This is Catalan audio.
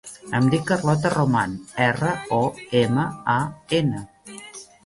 Em dic Carlota Roman: erra, o, ema, a, ena.